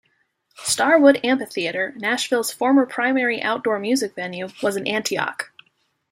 Starwood Amphitheatre, Nashville's former primary outdoor music venue, was in Antioch.